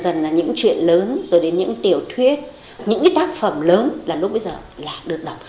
rồi dần dần là những chuyện lớn rồi đến những tiểu thuyết những tác phẩm lớn là lúc bây giờ là được đọc